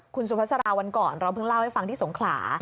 คุณสุภาษาราวันก่อนเราเพิ่งเล่าให้ฟังที่สงขลา